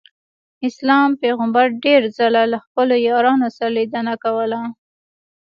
اسلام پیغمبر ډېر ځله له خپلو یارانو سره لیدنه کوله.